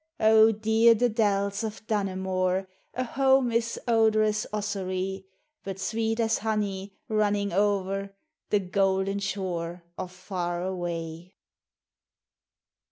Oh, dear the dells of Dunamore, A home is odorous Ossory ; But sweet as honey, running o'er The Golden Shore of Far Away.